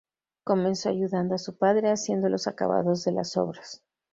Comenzó ayudando a su padre haciendo los acabados de las obras.